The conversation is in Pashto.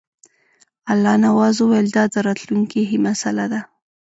الله نواز وویل دا د راتلونکي مسله ده.